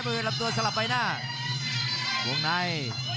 ประเภทรัพย์ตัวสลับไปหน้าวงใน